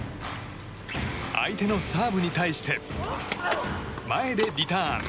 相手のサーブに対して前でリターン。